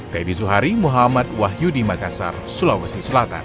teddy zuhari muhammad wahyudi makassar sulawesi selatan